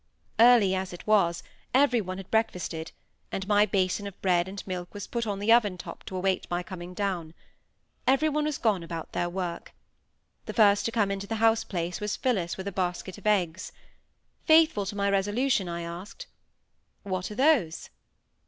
Early as it was, every one had breakfasted, and my basin of bread and milk was put on the oven top to await my coming down. Every one was gone about their work. The first to come into the house place was Phillis with a basket of eggs. Faithful to my resolution, I asked,— "What are those?"